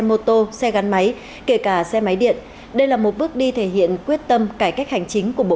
mô tô xe gắn máy kể cả xe máy điện đây là một bước đi thể hiện quyết tâm cải cách hành chính của bộ